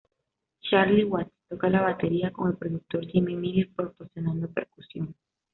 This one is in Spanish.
Charlie Watts toca la batería, con el productor Jimmy Miller proporcionando percusión.